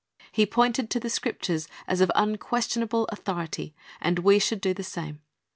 He pointed to the Scriptures as of unquestionable authority, and we should do the same.